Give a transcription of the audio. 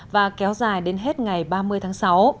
và kéo dài đến hết ngày ba mươi tháng sáu